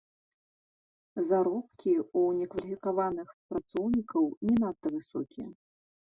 Заробкі ў некваліфікаваных працаўнікоў не надта высокія.